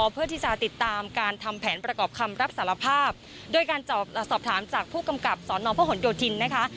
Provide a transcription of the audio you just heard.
เพื่อที่จะติดตามการทำแผนประกอบคำรับสารภาพโดยการสอบถามจากผู้กำกับสอนอพระหลโยธินนะคะ